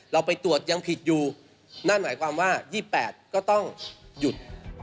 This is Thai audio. เราไปตรวจยังผิดอยู่นั่นหมายความว่า๒๘ก็ต้องหยุด